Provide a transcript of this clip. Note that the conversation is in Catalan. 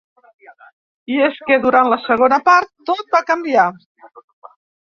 I és que, durant la segona part, tot va canviar.